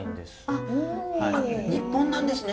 日本なんですね。